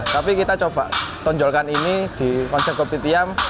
tapi kita coba tonjolkan ini di konsep kopi tiam